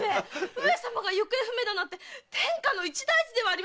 上様が行方不明だなんて天下の一大事ではありませんか！